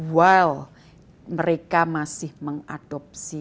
while mereka masih mengadopsi